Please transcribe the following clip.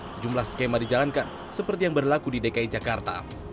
sejumlah skema dijalankan seperti yang berlaku di dki jakarta